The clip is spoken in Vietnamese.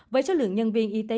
với số lượng nhân viên y tế